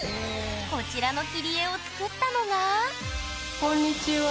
こちらの切り絵を作ったのがこんにちは。